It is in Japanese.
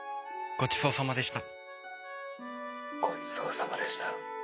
ごちそうさまでした。